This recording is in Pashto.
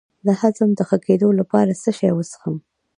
د هضم د ښه کیدو لپاره څه شی وڅښم؟